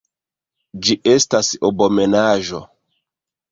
Ĝi estas abomenaĵo!